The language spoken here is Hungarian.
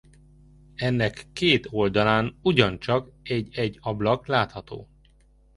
Ennek két oldalán ugyancsak egy-egy ablak látható.